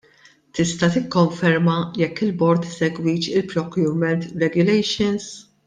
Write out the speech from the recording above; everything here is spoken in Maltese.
Tista' tikkonferma jekk il-bord isegwix il-procurement regulations?